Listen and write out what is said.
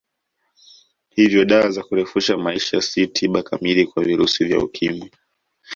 Hivyo dawa za kurefusha maisha si tiba kamili kwa virusi vya Ukimwi